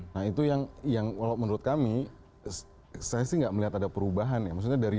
nah itu yang menurut kami saya sih nggak melihat ada perubahan ya